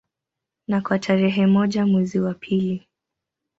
Na kwa tarehe moja mwezi wa pili